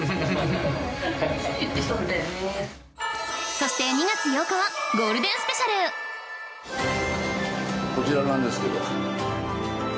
そして２月８日はゴールデンスペシャルこちらなんですけど。